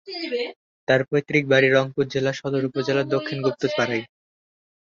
তার পৈতৃক বাড়ি রংপুর জেলার সদর উপজেলার দক্ষিণ গুপ্তপাড়ায়।